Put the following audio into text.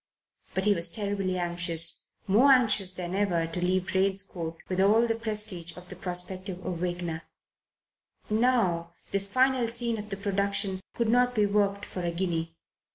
But he was terribly anxious, more anxious than ever, to leave Drane's Court with all the prestige of the prospective Awakener. Now, this final scene of the production could not be worked for a guinea.